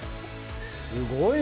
すごいな！